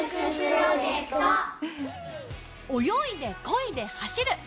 泳いで、こいで、走る！